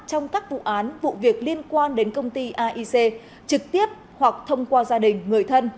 trong các vụ án vụ việc liên quan đến công ty aic trực tiếp hoặc thông qua gia đình người thân